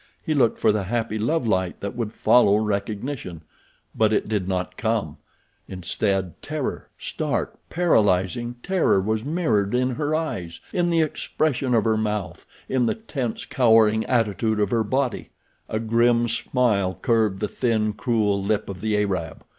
He looked for the happy love light that would follow recognition; but it did not come. Instead, terror, stark, paralyzing terror, was mirrored in her eyes, in the expression of her mouth, in the tense, cowering attitude of her body. A grim smile curved the thin, cruel lip of the Arab.